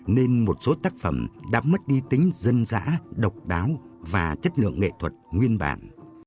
nên một số tác phẩm đã mất đi tính dân dã độc đáo và chất lượng nghệ thuật nguyên bản